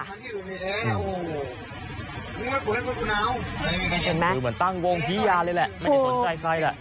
คือเหมือนตั้งวงพี้ยาเลยแหละไม่ได้สนใจใครแหละ